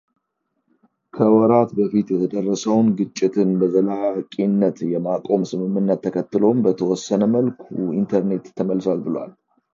ከወራት በፊት የተደረሰውን ግጭትን በዘላቂነት የማቆም ስምምነት ተከትሎም በተወሰነ መልኩ ኢንተርኔት ተመልሷል ብሏል።